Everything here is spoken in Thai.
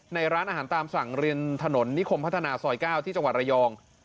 ในร้านอาหารตามสั่งริมถนนนิคมพัฒนาซอย๙ที่จังหวัดระยอง